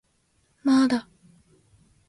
まーだ